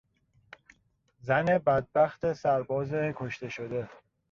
زن بدبخت سرباز کشته شده